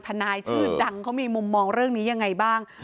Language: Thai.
ทนายชื่อดังเขามีมุมมองเรื่องนี้ยังไงบ้าง